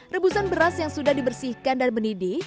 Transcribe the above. rebusan beras yang sudah dibersihkan dan menidih